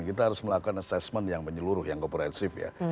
kita harus melakukan assessment yang menyeluruh yang kooperatif ya